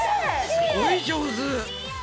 すごい上手。